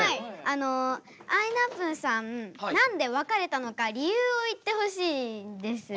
あのあいなぷぅさん何で別れたのか理由を言ってほしいです。